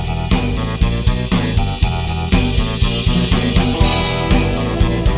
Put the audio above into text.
nunggu akang di surga